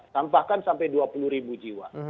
tambahkan sampai dua puluh ribu jiwa